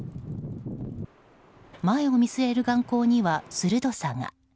前を見据える眼光には鋭さが。